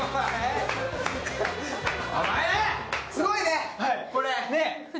すごいね、これ。